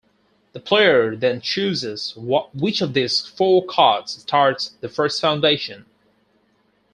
The player then chooses which of these four cards starts the first foundation.